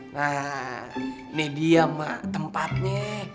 nah ini dia emak tempatnya